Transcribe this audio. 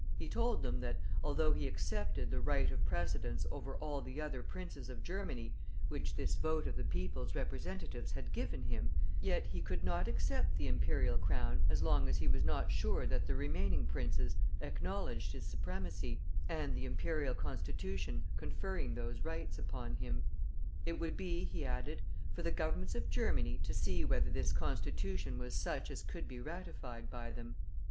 He told them that, although he accepted the right of precedence over all the other princes of Germany, which this vote of the people's representatives had given him, yet he could not accept the Imperial crown as long as he was not sure that the remaining princes acknowledged his supremacy, and the Imperial Constitution conferring those rights upon him. It would be, he added, for the Governments of Germany to see whether this Constitution was such as could be ratified by them.